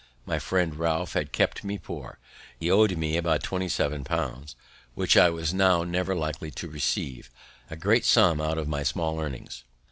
My friend Ralph had kept me poor; he owed me about twenty seven pounds, which I was now never likely to receive; a great sum out of my small earnings!